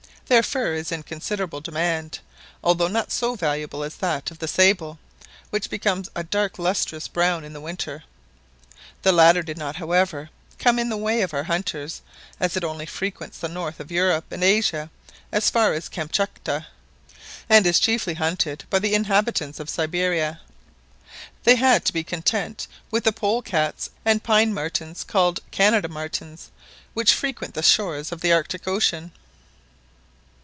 Their fur is in considerable demand, although not so valuable as that of the sable, which becomes a dark lustrous brown in the winter. The latter did not, however, come in the way of our hunters, as it only frequents the north of Europe and Asia as far as Kamtchatka, and is chiefly hunted by the inhabitants of Siberia. They had to be content with the polecats and pine martens, called " Canada martens," which frequent the shores of the Arctic Ocean.